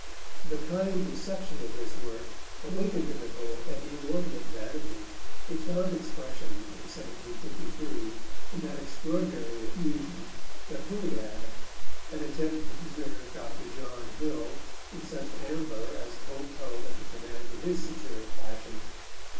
The kind reception of this work awakened in the poet an inordinate vanity, which found expression, in 1753, in that extraordinary effusion, The Hilliad, an attempt to preserve Dr. John Hill in such amber as Pope held at the command of his satiric passion.